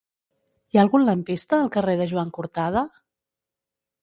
Hi ha algun lampista al carrer de Joan Cortada?